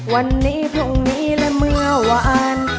วันนี้พรุ่งนี้และเมื่อวาน